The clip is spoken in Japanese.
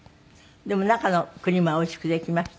でも中のクリームはおいしくできました？